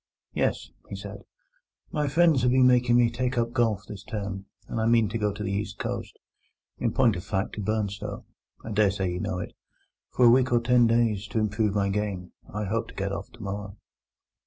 "Yes," he said; "my friends have been making me take up golf this term, and I mean to go to the East Coast—in point of fact to Burnstow—(I dare say you know it) for a week or ten days, to improve my game. I hope to get off tomorrow."